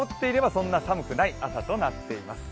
そんな寒くない朝となっています。